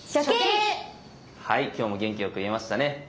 はい今日も元気よく言えましたね。